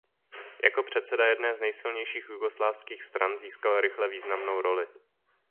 Jako předseda jedné z nejsilnějších jugoslávských stran získal rychle významnou roli.